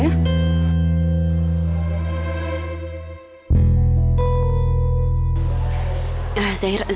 kok kamu gak belajar bareng mereka aja